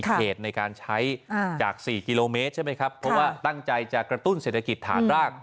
เหตุในการใช้จาก๔กิโลเมตรใช่ไหมครับเพราะว่าตั้งใจจะกระตุ้นเศรษฐกิจฐานราก